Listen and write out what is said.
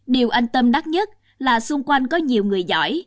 điều anh tâm đắt nhất là xung quanh có nhiều người giỏi